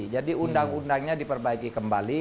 jadi undang undangnya diperbaiki kembali